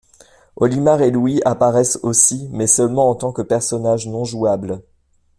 Olimar et Louie apparaissent aussi mais seulement en tant que personnages non-jouables.